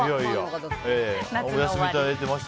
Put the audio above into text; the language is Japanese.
お休みいただいていました